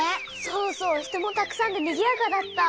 そうそう人もたくさんでにぎやかだった。